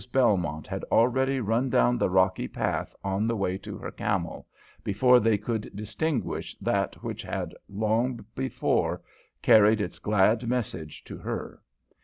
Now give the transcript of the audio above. Belmont had already run down the rocky path, on the way to her camel, before they could distinguish that which had long before carried its glad message to her.